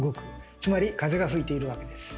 つまり風が吹いているわけです。